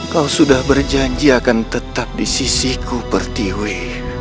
kau sudah berjanji akan tetap di sisiku pertiwi